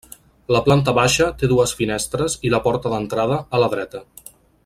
La planta baixa té dues finestres i la porta d'entrada, a la dreta.